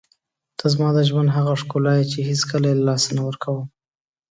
ته زما د ژوند هغه ښکلا یې چې هېڅکله یې له لاسه نه ورکوم.